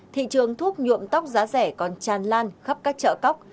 thị trường thuốc nhuộm tóc giá rẻ còn tràn lan khắp các chợ cóc